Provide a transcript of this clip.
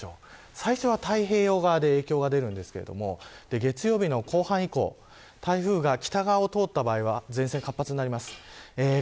最初は太平洋側で影響が出るんですが月曜日の後半以降台風が北側を通った場合は前線、活発になります。